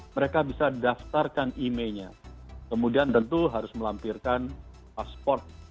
mereka bisa daftarkan emailnya kemudian tentu harus melampirkan pasport